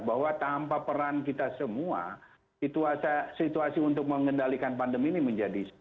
bahwa tanpa peran kita semua situasi untuk mengendalikan pandemi ini menjadi